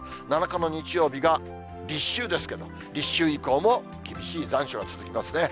７日の日曜日が立秋ですけど、立秋以降も厳しい残暑が続きますね。